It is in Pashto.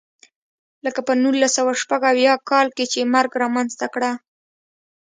لکه په نولس سوه شپږ اویا کال کې چې مرګ رامنځته کړه.